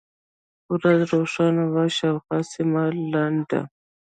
ورځ روښانه وه، شاوخوا سیمه لنده.